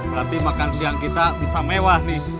berarti makan siang kita bisa mewah nih